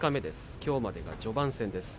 きょうまでが序盤戦です。